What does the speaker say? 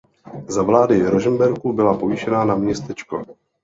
Za vlády Rožmberků byla povýšena na městečko.